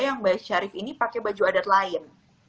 yang mbak sharif ini pakai baju adat lain